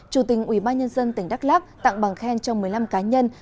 chủ tình ubnd tỉnh đắk lắc tặng bằng khen cho một mươi năm cá nhân